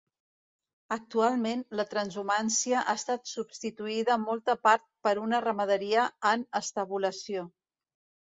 Actualment, la transhumància ha estat substituïda molta part per una ramaderia en estabulació.